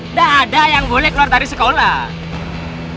nggak ada yang boleh keluar dari sekolah